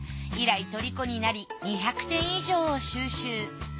以来とりこになり２００点以上を収集。